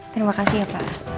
terima kasih ya pak